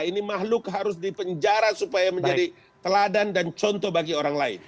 ini mahluk harus di penjara supaya menjadi teladan dan contoh bagi orang lain